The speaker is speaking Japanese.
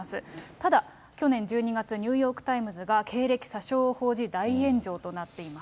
ただ、去年１２月、ニューヨーク・タイムズが経歴詐称を報じ、大炎上となっています。